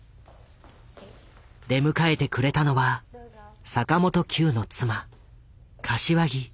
出迎えてくれたのは坂本九の妻柏木由紀子。